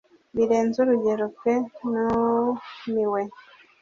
birenze urugero pe numiwe